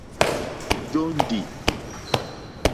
Jóndì.